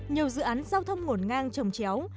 nhiều dự án giao thông ngổn ngang trồng chéo